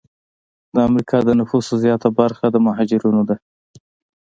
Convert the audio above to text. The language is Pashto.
د امریکا د نفوسو زیاته برخه د مهاجرینو ده.